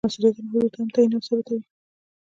دا د مسؤلیتونو حدود هم تعین او تثبیتوي.